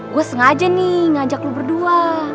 gue sengaja nih ngajak lo berdua